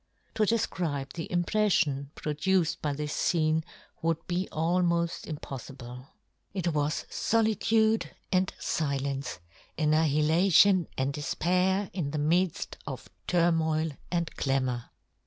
To defcribe the impreflion pro duced by this fcene would be almoft impoflible. It was folitude and filence, annihilation and defpair in the midft of turmoil and clamour.